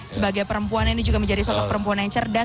sebagai perempuan ini juga menjadi sosok perempuan yang cerdas